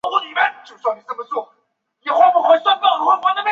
顺德站